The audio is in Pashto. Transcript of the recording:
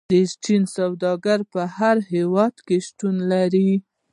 چیني سوداګر په هر هیواد کې شتون لري.